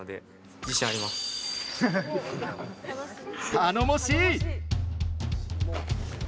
頼もしい！